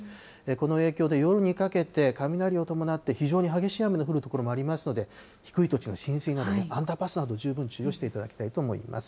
この影響で夜にかけて、雷を伴って非常に激しい雨の降る所もありますので、低い土地の浸水など、アンダーパスなど、十分注意をしていただきたいと思います。